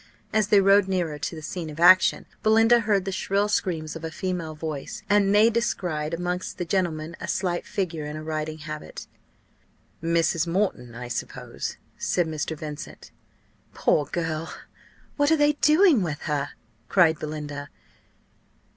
As they rode nearer to the scene of action, Belinda heard the shrill screams of a female voice, and they descried amongst the gentlemen a slight figure in a riding habit. "Miss Moreton, I suppose," said Mr. Vincent. "Poor girl! what are they doing with her?" cried Belinda.